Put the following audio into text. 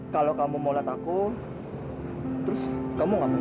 kalau kamu mau lihat aku terus kamu ngapain